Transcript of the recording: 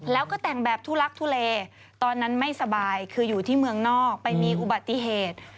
แล้วก็แต่งแบบทุลักทุเลตอนนั้นไม่สบายคืออยู่ที่เมืองนอกไปมีอุบัติเหตุ